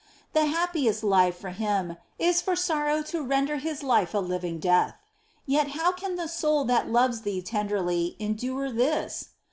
The happiest life for him is for sorrow to render his life a living death. Yet, how can the soul that loves Thee tenderly endure this